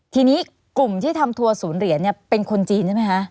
ทีนี้กลุ่มที่ทำทัวร์ศูนย์เหรียญเป็นคนจีนใช่ไหมคะ